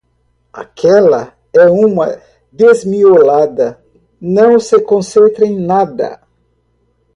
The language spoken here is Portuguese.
Aquela é uma desmiolada, não se concentra em nada.